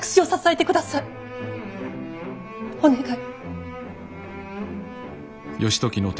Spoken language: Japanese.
お願い。